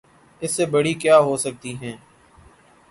اس سے بڑی کیا ہو سکتی ہے؟